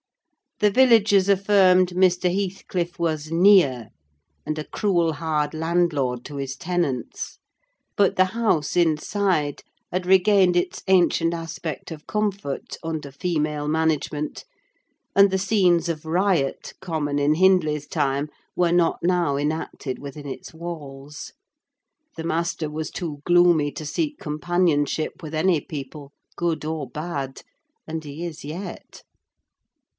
The villagers affirmed Mr. Heathcliff was near, and a cruel hard landlord to his tenants; but the house, inside, had regained its ancient aspect of comfort under female management, and the scenes of riot common in Hindley's time were not now enacted within its walls. The master was too gloomy to seek companionship with any people, good or bad; and he is yet.